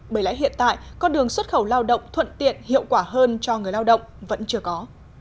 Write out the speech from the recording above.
bởi lẽ hiện tại con đường xuất khẩu lao động thuận tiện hiệu quả hơn cho người lao động vẫn chưa có